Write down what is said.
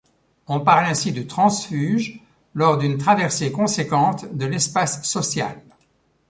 On parle ainsi de transfuge lors d'une traversée conséquente de l'espace social.